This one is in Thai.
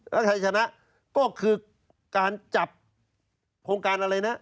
แล้วใครชนะก็คือการจับโครงการอะไรนะ